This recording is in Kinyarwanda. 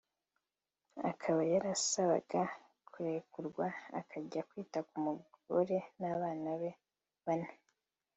akaba yarasabaga kurekurwa akajya kwita ku mugore n’abana be bane